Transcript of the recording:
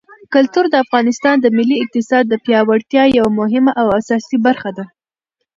کلتور د افغانستان د ملي اقتصاد د پیاوړتیا یوه مهمه او اساسي برخه ده.